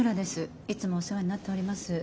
いつもお世話になっております。